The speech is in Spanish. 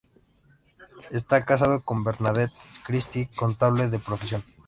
Está casado con Bernadette Christie, contable de profesión.